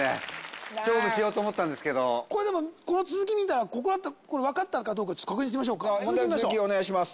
勝負しようと思ったんですけどこれでもこの続き見たらこれ分かったかどうか確認しましょうか問題の続きお願いします